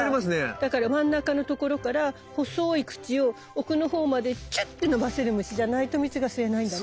だから真ん中のところから細い口を奥のほうまでチュッて伸ばせる虫じゃないと蜜が吸えないんだね。